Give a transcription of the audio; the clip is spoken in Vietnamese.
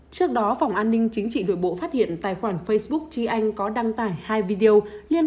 trước đó phóng an ninh chính trị nội bộ phát hiện tài khoản facebook chi anh có đăng tải hai video liên